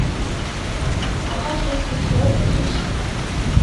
好好学习所有的知识